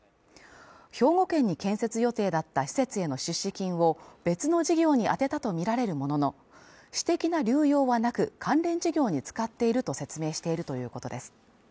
兵庫県に建設予定だった施設への出資金を別の事業に充てたとみられるものの、私的な流用はなく、関連事業に使っていると説明しているということです。